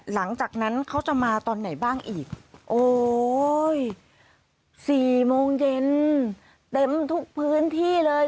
หลังจากนั้นเขาจะมาตอนไหนบ้างอีกโอ้ยสี่โมงเย็นเต็มทุกพื้นที่เลย